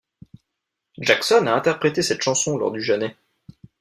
Jackson a interprété cette chanson lors du janet.